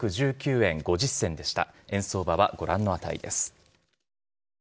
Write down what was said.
円相場はご覧の値です。